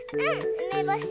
うめぼし。